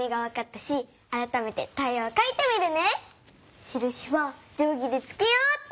しるしはじょうぎでつけようっと。